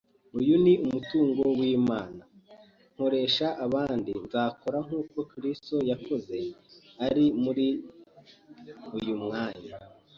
Uyu ni umutungo w’Imana nkoresha kandi nzakora nk’uko Kristo yagakoze ari muri uyu mwanya